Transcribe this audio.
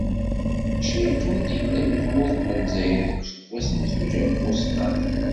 Mačči akken i d-yella deg tmurt n Lezzayer deg useggas n zuǧ alaf u seṭṭac.